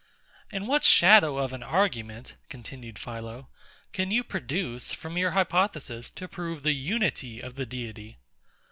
And what shadow of an argument, continued PHILO, can you produce, from your hypothesis, to prove the unity of the Deity?